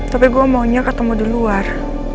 tapi gue maunya ketemu di luar